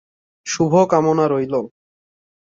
শুভ কামনা রইল।